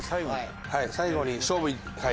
最後に勝負はい。